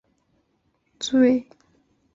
浓烈的苗族风情令人陶醉。